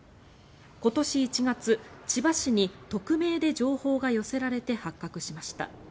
今年１月、千葉市に匿名で情報が寄せられて発覚しました。